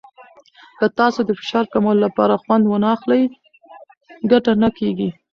که تاسو د فشار کمولو لپاره خوند ونه واخلئ، ګټه نه کېږي.